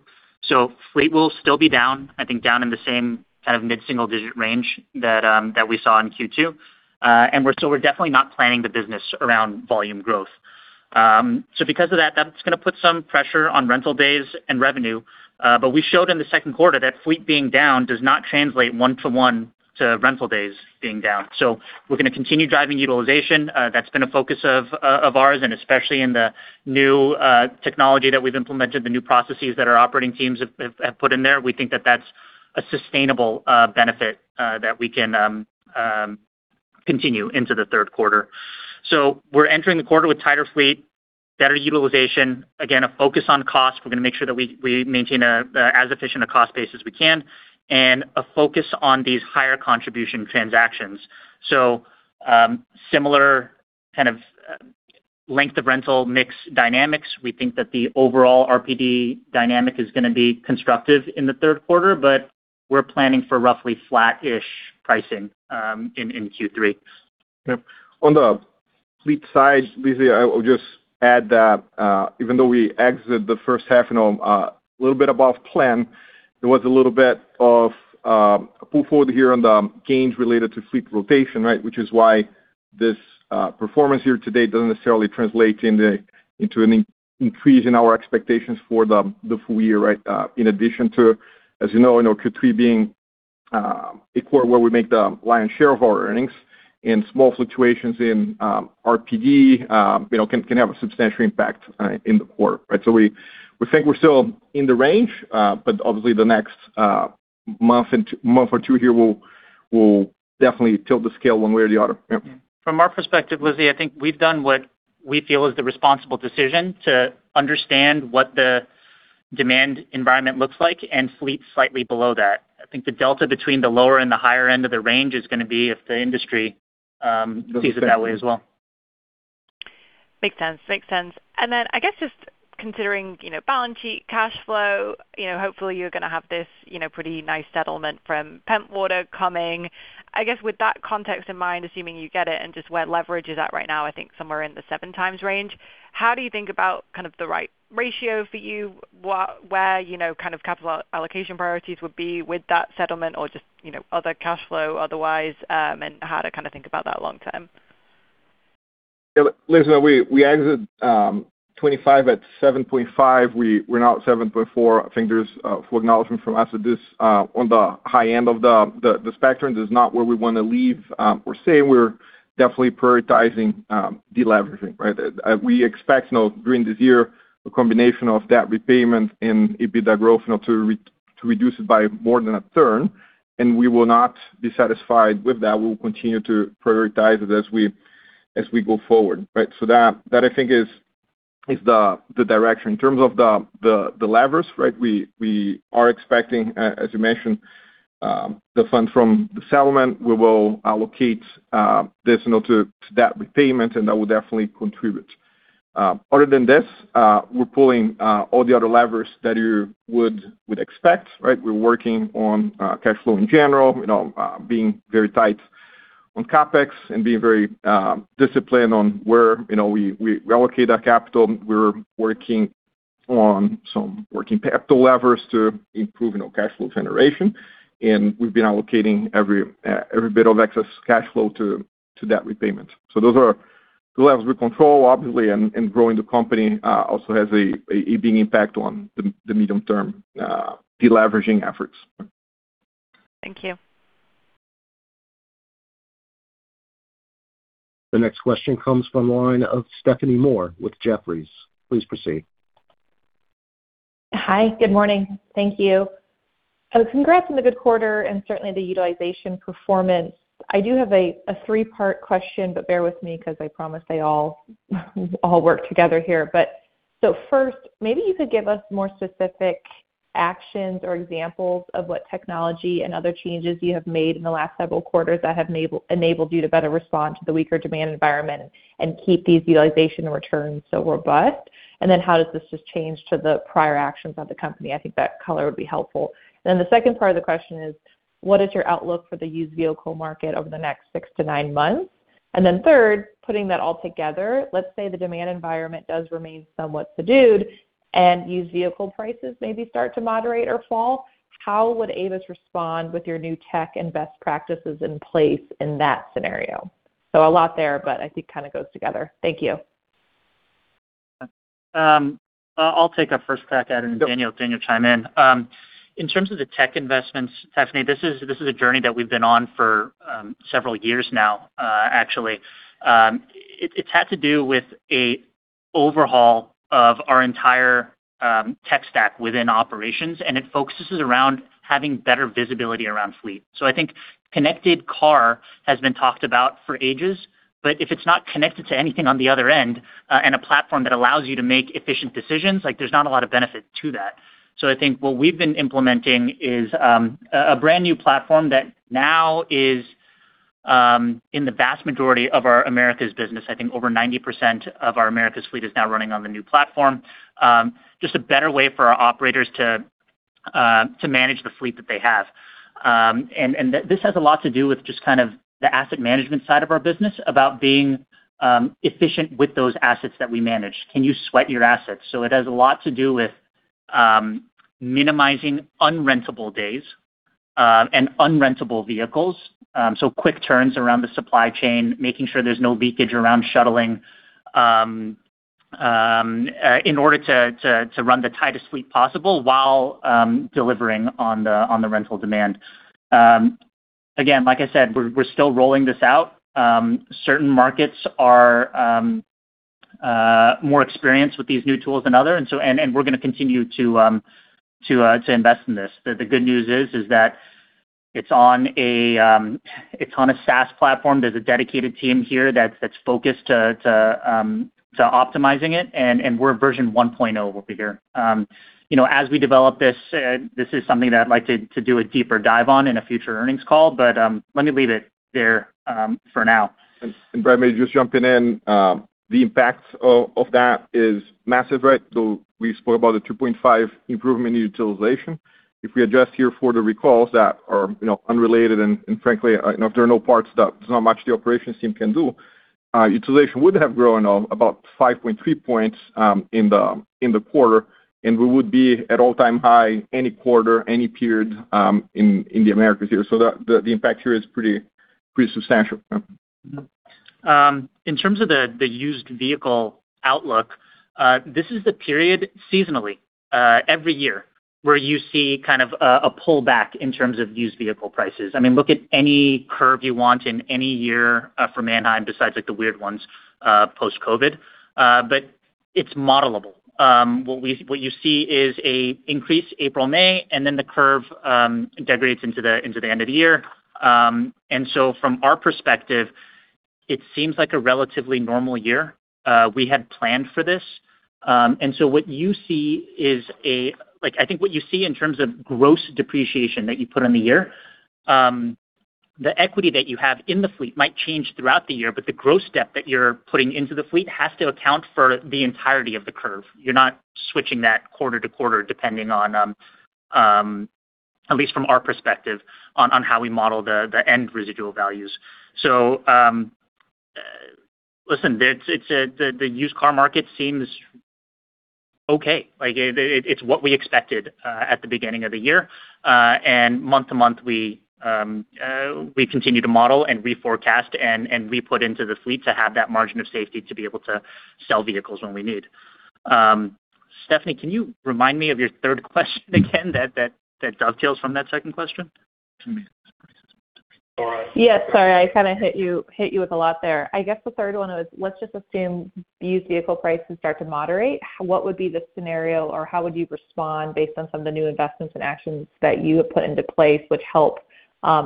Freight will still be down, I think down in the same kind of mid-single digit range that we saw in Q2. We're definitely not planning the business around volume growth. Because of that's going to put some pressure on rental days and revenue. We showed in the second quarter that fleet being down does not translate one-to-one to rental days being down. We're going to continue driving utilization. That's been a focus of ours, and especially in the new technology that we've implemented, the new processes that our operating teams have put in there. We think that that's a sustainable benefit that we can continue into the third quarter. We're entering the quarter with tighter fleet, better utilization, again, a focus on cost. We're going to make sure that we maintain as efficient a cost base as we can and a focus on these higher contribution transactions. Similar kind of length of rental mix dynamics. We think that the overall RPD dynamic is going to be constructive in the third quarter; we're planning for roughly flat-ish pricing in Q3. On the fleet side, Lizzie, I will just add that even though we exit the first half a little bit above plan, there was a little bit of a pull forward here on the gains related to fleet rotation, which is why this performance here today doesn't necessarily translate into an increase in our expectations for the full year. In addition to, as you know, Q3 being a quarter where we make the lion's share of our earnings, small fluctuations in RPD can have a substantial impact in the quarter. We think we're still in the range; obviously the next month or two here will definitely tilt the scale one way or the other. From our perspective, Lizzie, I think we've done what we feel is the responsible decision to understand what the demand environment looks like, fleet slightly below that. I think the delta between the lower and the higher end of the range is going to be if the industry sees it that way as well. Makes sense. I guess just considering balance sheet, cash flow, hopefully you're going to have this pretty nice settlement from Pentwater coming. With that context in mind, assuming you get it and just where leverage is at right now, I think somewhere in the seven times range, how do you think about kind of the right ratio for you, where kind of capital allocation priorities would be with that settlement or just other cash flow otherwise, and how to kind of think about that long term? Yeah, listen, we exit 2025 at 7.5. We're now at 7.4. I think there's full acknowledgement from us that this, on the high end of the spectrum, this is not where we want to leave or stay. We're definitely prioritizing de-leveraging. We expect during this year a combination of debt repayment and EBITDA growth to reduce it by more than a turn, and we will not be satisfied with that. That, I think, is the direction. In terms of the leverage, we are expecting, as you mentioned, the fund from the settlement. We will allocate this to that repayment, and that will definitely contribute. Other than this, we're pulling all the other levers that you would expect. We're working on cash flow in general, being very tight on CapEx and being very disciplined on where we allocate that capital. We're working on some working capital levers to improve cash flow generation, and we've been allocating every bit of excess cash flow to debt repayment. Those are two levers we control, obviously, and growing the company also has a big impact on the medium-term de-leveraging efforts. Thank you. The next question comes from the line of Stephanie Moore with Jefferies. Please proceed. Hi. Good morning. Thank you. Congrats on the good quarter and certainly the utilization performance. I do have a three-part question; bear with me because I promise they all work together here. First, maybe you could give us more specific actions or examples of what technology and other changes you have made in the last several quarters that have enabled you to better respond to the weaker demand environment and keep these utilization returns so robust. How does this just change to the prior actions of the company? I think that color would be helpful. The second part of the question is, what is your outlook for the used vehicle market over the next six to nine months? Third, putting that all together, let's say the demand environment does remain somewhat subdued and used vehicle prices maybe start to moderate or fall. How would Avis respond with your new tech and best practices in place in that scenario? A lot there, but I think it kind of goes together. Thank you. I'll take a first crack at it. Sure Daniel chime in. In terms of the tech investments, Stephanie, this is a journey that we've been on for several years now, actually. It's had to do with a overhaul of our entire tech stack within operations. It focuses around having better visibility around fleet. I think connected car has been talked about for ages, but if it's not connected to anything on the other end and a platform that allows you to make efficient decisions, there's not a lot of benefit to that. I think what we've been implementing is a brand new platform that now is in the vast majority of our Americas business. I think over 90% of our Americas fleet is now running on the new platform. Just a better way for our operators to manage the fleet that they have. This has a lot to do with just kind of the asset management side of our business, about being efficient with those assets that we manage. Can you sweat your assets? It has a lot to do with minimizing unrentable days and unrentable vehicles. Quick turns around the supply chain, making sure there's no leakage around shuttling, in order to run the tightest fleet possible while delivering on the rental demand. Again, like I said, we're still rolling this out. Certain markets are more experienced with these new tools than others. We're going to continue to invest in this. The good news is that it's on a SaaS platform. There's a dedicated team here that's focused to optimizing it. We're version 1.0 over here. As we develop, this is something that I'd like to do a deeper dive on in a future earnings call. Let me leave it there for now. Brian, maybe just jumping in. The impact of that is massive, right? We spoke about the 3.5 improvement in utilization. If we adjust here for the recalls that are unrelated and frankly, if there are no parts, there's not much the operations team can do. Utilization would have grown about 5.3 points in the quarter. We would be at all-time high any quarter, any period, in the Americas here. The impact here is pretty substantial. In terms of the used vehicle outlook, this is the period, seasonally, every year where you see a pullback in terms of used vehicle prices. Look at any curve you want in any year from Manheim, besides the weird ones post-COVID. It's modelable. What you see is, I think what you see in terms of gross depreciation that you put in the year, the equity that you have in the fleet might change throughout the year, but the gross debt that you're putting into the fleet has to account for the entirety of the curve. You're not switching that quarter to quarter, depending on, at least from our perspective, on how we model the end residual values. Listen, the used car market seems okay. It's what we expected at the beginning of the year. Month to month, we continue to model and reforecast and re-put into the fleet to have that margin of safety to be able to sell vehicles when we need. Stephanie, can you remind me of your third question again that dovetails from that second question? Yes. Sorry, I kind of hit you with a lot there. I guess the third one was, let's just assume used vehicle prices start to moderate. What would be the scenario, or how would you respond based on some of the new investments and actions that you have put into place, which help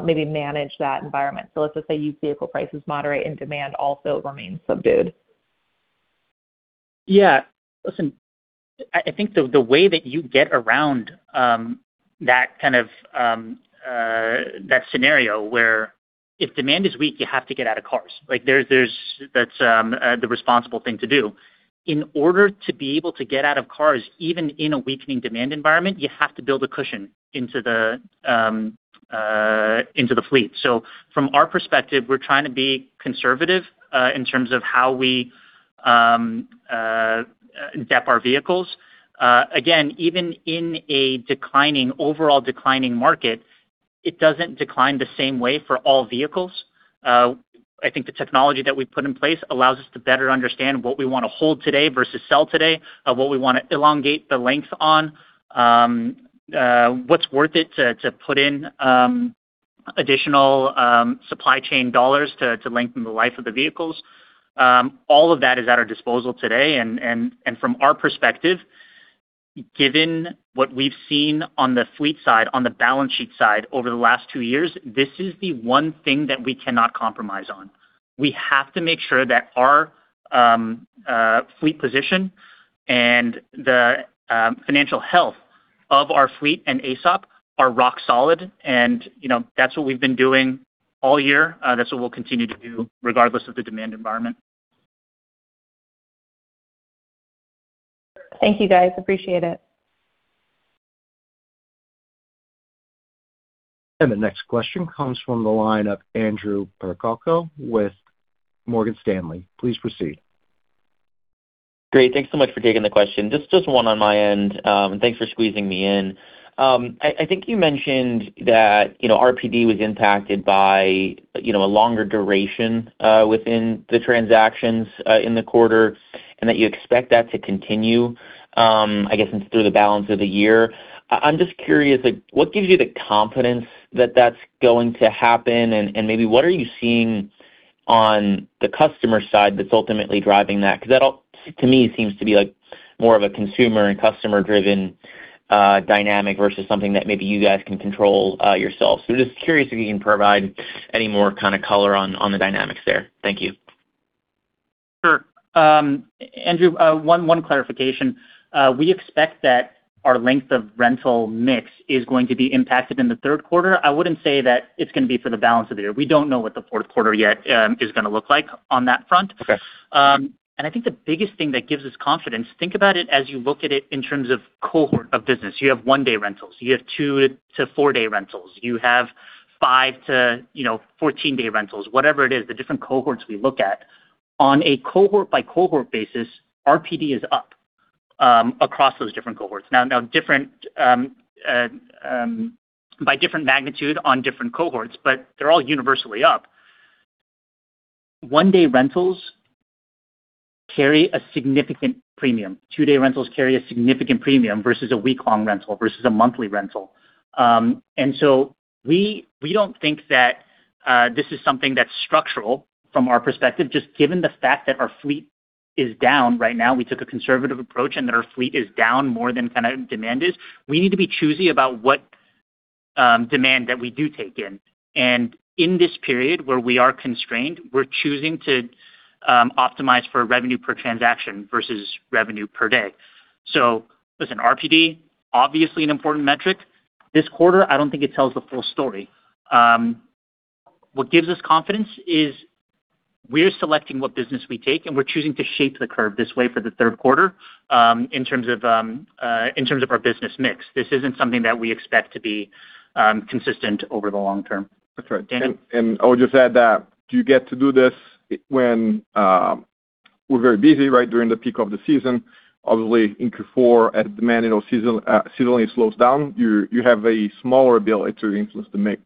maybe manage that environment? Let's just say used vehicle prices moderate and demand also remains subdued. Yeah. Listen, I think the way that you get around that scenario where if demand is weak, you have to get out of cars. That's the responsible thing to do. In order to be able to get out of cars, even in a weakening demand environment, you have to build a cushion into the fleet. From our perspective, we're trying to be conservative in terms of how we dep our vehicles. Again, even in an overall declining market, it doesn't decline the same way for all vehicles. I think the technology that we've put in place allows us to better understand what we want to hold today versus sell today, what we want to elongate the length on, what's worth it to put in additional supply chain dollars to lengthen the life of the vehicles. All of that is at our disposal today. From our perspective, given what we've seen on the fleet side, on the balance sheet side over the last two years, this is the one thing that we cannot compromise on. We have to make sure that our fleet position and the financial health of our fleet and AESOP are rock solid. That's what we've been doing all year. That's what we'll continue to do regardless of the demand environment. Thank you, guys. Appreciate it. The next question comes from the line of Andrew Percoco with Morgan Stanley. Please proceed. Great. Thanks so much for taking the question. Just one on my end. Thanks for squeezing me in. I think you mentioned that RPD was impacted by a longer duration within the transactions in the quarter, and that you expect that to continue, I guess, through the balance of the year. I'm just curious, what gives you the confidence that that's going to happen? Maybe what are you seeing on the customer side that's ultimately driving that? That all, to me, seems to be more of a consumer and customer-driven dynamic versus something that maybe you guys can control yourselves. Just curious if you can provide any more kind of color on the dynamics there. Thank you. Sure. Andrew, one clarification. We expect that our length of rental mix is going to be impacted in the third quarter. I wouldn't say that it's going to be for the balance of the year. We don't know what the fourth quarter yet is going to look like on that front. Okay. I think the biggest thing that gives us confidence, think about it as you look at it in terms of cohort of business. You have one-day rentals. You have two- to four-day rentals. You have five to 14-day rentals, whatever it is, the different cohorts we look at. On a cohort-by-cohort basis, RPD is up across those different cohorts. By different magnitudes on different cohorts, but they're all universally up. One-day rentals carry a significant premium. Two-day rentals carry a significant premium versus a week-long rental versus a monthly rental. We don't think that this is something that's structural from our perspective, just given the fact that our fleet is down right now, we took a conservative approach and that our fleet is down more than demand is. We need to be choosy about what demand that we do take in. In this period where we are constrained, we're choosing to optimize for revenue per transaction versus revenue per day. Listen, RPD, obviously an important metric. This quarter, I don't think it tells the full story. What gives us confidence is we're selecting what business we take, and we're choosing to shape the curve this way for the third quarter in terms of our business mix. This isn't something that we expect to be consistent over the long term. That's right. Daniel? I would just add that you get to do this when we're very busy, right during the peak of the season. Obviously, in Q4, as demand seasonally slows down, you have a smaller ability to influence the mix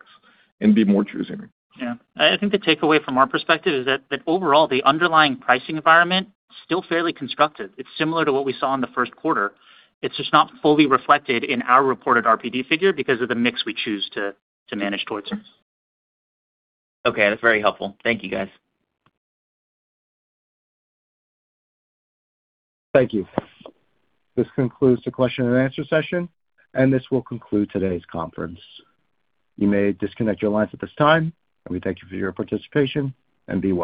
and be more choosy. Yeah. I think the takeaway from our perspective is that overall, the underlying pricing environment is still fairly constructive. It's similar to what we saw in the first quarter. It's just not fully reflected in our reported RPD figure because of the mix we choose to manage towards. Okay, that's very helpful. Thank you, guys. Thank you. This concludes the question-and-answer session, and this will conclude today's conference. You may disconnect your lines at this time. We thank you for your participation. Be well.